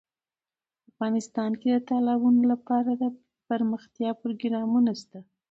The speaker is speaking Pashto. افغانستان کې د تالابونو لپاره دپرمختیا پروګرامونه شته.